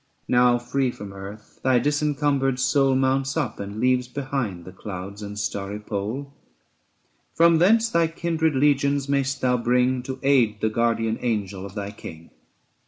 Now, free from earth, thy disencumbered soul 850 Mounts up, and leaves behind the clouds and starry pole: From thence thy kindred legions mayest thou bring To aid the guardian angel of thy King.